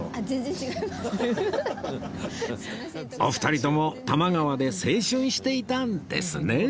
お二人とも多摩川で青春していたんですね